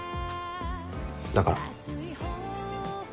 だから。